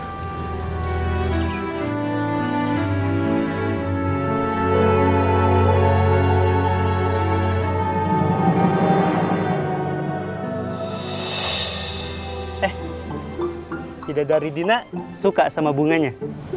eh bidadari dina suka sama bunganya